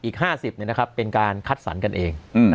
อีก๕๐เป็นการคัดสรรกันเอง